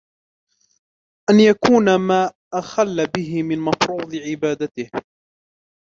أَنْ يَكُونَ مَا أَخَلَّ بِهِ مِنْ مَفْرُوضِ عِبَادَتِهِ